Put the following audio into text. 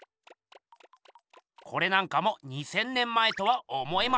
これなんかも２，０００年前とは思えません。